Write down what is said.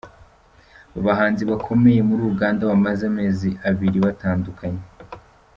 Aba bahanzi bakomeye muri Uganda bamaze amezi abiri batandukanye.